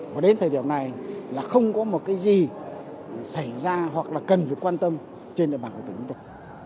và đến thời điểm này là không có một cái gì xảy ra hoặc là cần phải quan tâm trên địa bàn của tỉnh chúng tôi